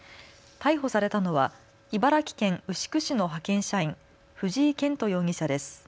逮捕されたのは茨城県牛久市の派遣社員、藤井健人容疑者です。